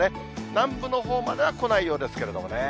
南部のほうまでは来ないようですけれどもね。